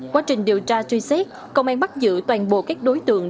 quá trình điều tra truy xét công an bắt giữ toàn bộ các đối tượng